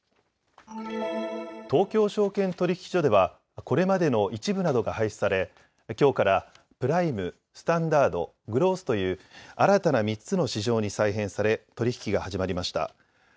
東京証券取引所ではこれまでの１部などが廃止されきょうからプライム、スタンダード、グロースという新たな３つの市場に再編され取り引きが始まりました。